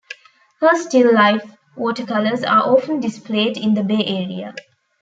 Her still-life watercolors are often displayed in the Bay Area.